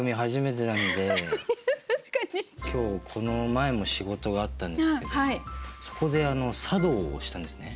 今日この前も仕事があったんですけどもそこで茶道をしたんですね。